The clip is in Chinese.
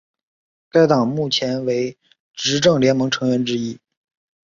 该党目前为执政联盟成员之一。